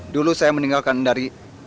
dulu saya meninggalkan dari